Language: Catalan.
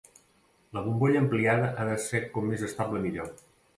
La bombolla ampliada ha de ser com més estable millor.